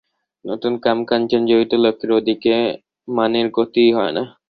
নতুবা কাম-কাঞ্চন-জড়িত লোকের ওদিকে মনের গতিই হয় না।